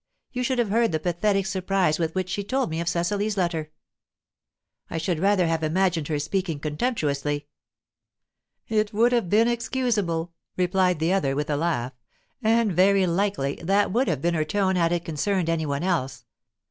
You should have heard the pathetic surprise with which she told me of Cecily's letter." "I should rather have imagined her speaking contemptuously." "It would have been excusable," replied the other, with a laugh. "And very likely that would have been her tone had it concerned any one else.